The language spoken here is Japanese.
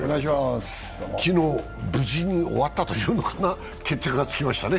昨日、無事に終わったというのかな決着がつきましたね。